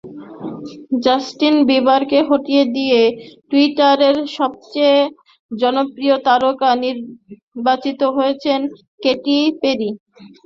Justin বিবারকে হটিয়ে দিয়ে টুইটারের সবচেয়ে জনপ্রিয় তারকা নির্বাচিত হয়েছেন কেটি পেরি।